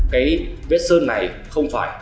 cái vết sơn này không phải